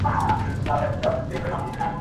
কেউ কারুর উপর নির্ভর করে না।